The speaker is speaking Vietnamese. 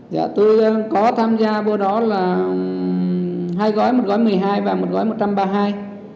dạ tôi có tham gia vào đó là hai gói một gói một mươi hai và một gói một trăm ba mươi hai